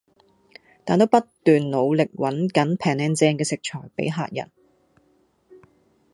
但都不斷努力搵緊平靚正嘅食材俾客人